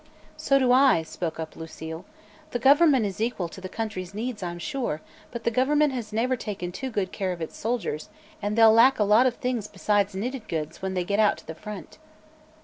"So do I," spoke up Lucile. "The government is equal to the country's needs, I'm sure, but the government has never taken any too good care of its soldiers and they'll lack a lot of things besides knitted goods when they get to the front."